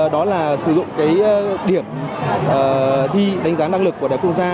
đó là sử dụng cái điểm thi đánh giá năng lực của đại quốc gia